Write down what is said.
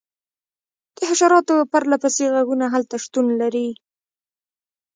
د حشراتو پرله پسې غږونه هلته شتون لري